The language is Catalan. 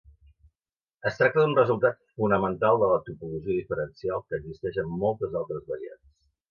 Es tracta d'un resultat fonamental de la topologia diferencial, que existeix en moltes altres variants.